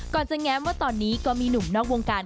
ก่อนจะแง้มว่าตอนนี้ก็มีหนุ่มนอกวงการ